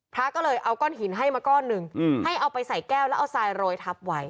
พระก็เลยเอาก้อนหินให้มาก้อนหนึ่งให้เอาไปใส่แก้วแล้วเอาทรายโรยทับไว้